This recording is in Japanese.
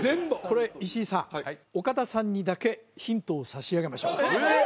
これ石井さん岡田さんにだけヒントを差し上げましょうえっ？